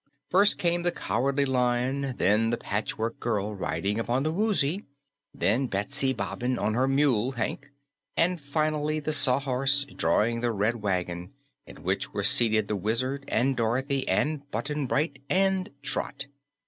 First came the Cowardly Lion, then the Patchwork Girl riding upon the Woozy, then Betsy Bobbin on her mule Hank, and finally the Sawhorse drawing the Red Wagon, in which were seated the Wizard and Dorothy and Button Bright and Trot.